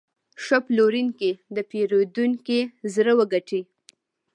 ښه پلورونکی د پیرودونکي زړه وګټي.